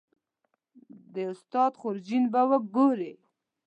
د استاد خورجین به ګورې